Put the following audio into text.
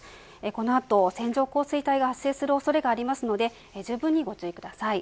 この後、線状降水帯が発生する恐れがあるのでじゅうぶんに、ご注意ください。